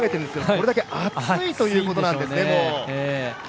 これだけ暑いということなんですね、もう。